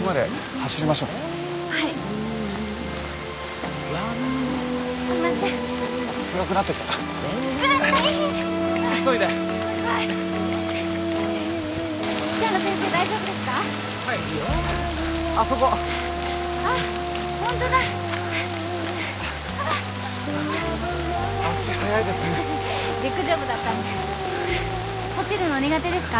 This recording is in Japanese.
走るの苦手ですか？